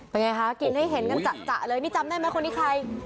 เป็นไงคะกินให้เห็นกันจะเลยนี่จำได้ไหมคนนี้ใคร